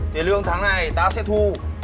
tiền lương tháng này ta sẽ thu